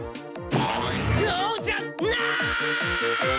そうじゃない！